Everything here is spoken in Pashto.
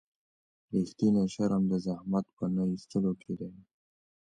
رښتینی شرم د زحمت په نه ایستلو کې دی.